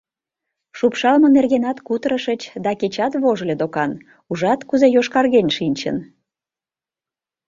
Шупшалме нергенат кутырышыч, да кечат вожыльо докан: ужат, кузе йошкарген шинчын.